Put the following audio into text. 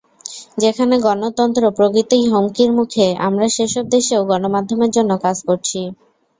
যেখানে গণতন্ত্র প্রকৃতই হুমকির মুখে আমরা সেসব দেশেও গণমাধ্যমের জন্য কাজ করছি।